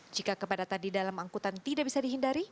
jika kepadatan di dalam angkutan tidak bisa dihindari